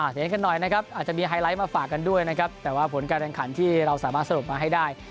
เดี๋ยวกันหน่อยนะครับอาจจะมีไฮไลท์มาฝากกันด้วยนะครับแต่ว่าผลการแข่งขันที่เราสามารถสรุปมาให้ได้